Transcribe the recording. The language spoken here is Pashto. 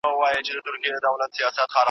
موږ ته له ګناهونو څخه د خلاصون توفیق راکړه.